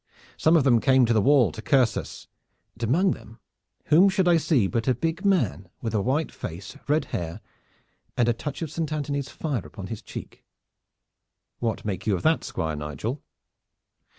Some of them came to the wall to curse us, and among them whom should I see but a big man with a white face, red hair and a touch of Anthony's fire upon his cheek? What make you of that, Squire Nigel?"